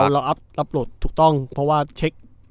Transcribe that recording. เราอัพรับโหลดถูกต้องเพราะว่าเช็ค